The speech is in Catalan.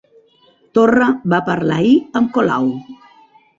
Torra va parlar ahir amb Colau